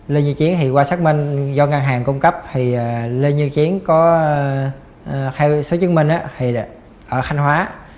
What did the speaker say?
lê như chiến thì qua xác minh do ngân hàng cung cấp thì lê như chiến có theo số chứng minh thì ở khanh hóa